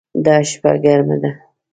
دا شپه ګرمه ده